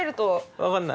分かんない。